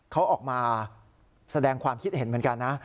เขาออกมาแสดงความคิดเห็นเหมือนกันนะ